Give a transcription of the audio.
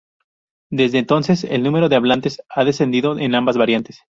Desde entonces el número de hablantes ha descendido en ambas variantes.